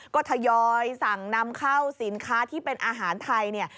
ก็ทยอยสั่งนำเข้าสินค้าที่เป็นอาหารไทยเนี่ย